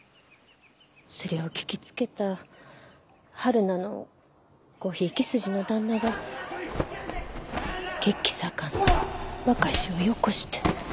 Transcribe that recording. それを聞きつけた春菜のご贔屓筋の旦那が血気盛んな若い衆をよこして。